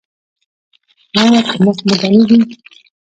ایا په مخ مو دانې دي؟